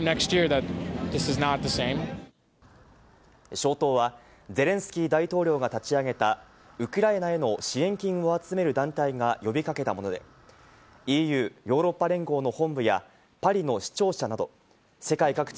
消灯はゼレンスキー大統領が立ち上げたウクライナへの支援金を集める団体が呼びかけたもので、ＥＵ＝ヨーロッパ連合の本部や、パリの市庁舎など世界各地